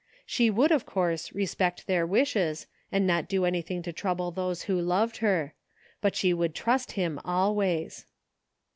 She would, of course, respect their wishes, and not do an)rthing to trouble those who loved her; but she would trust him always.